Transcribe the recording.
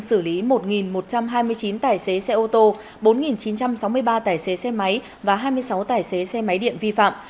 xử lý một một trăm hai mươi chín tài xế xe ô tô bốn chín trăm sáu mươi ba tài xế xe máy và hai mươi sáu tài xế xe máy điện vi phạm